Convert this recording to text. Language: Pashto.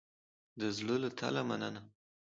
د زړه له تله مننه